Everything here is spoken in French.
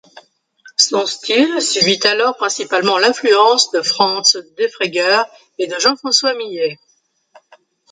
Son style subit alors principalement l'influence de Franz Defregger et de Jean-François Millet.